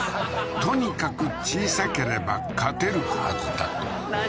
とにかく小さければ勝てるはずだと何？